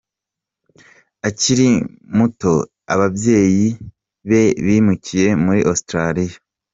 Akiri muto ababyeyi be bimukiye muri Australia.